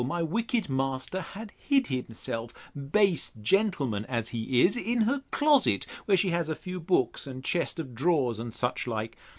my wicked master had hid himself, base gentleman as he is! in her closet, where she has a few books, and chest of drawers, and such like.